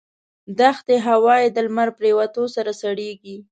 دښتي هوا یې د لمر پرېوتو سره سړېږي.